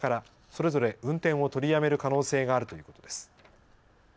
それぞれ運転を取りやめる可能性があるということです。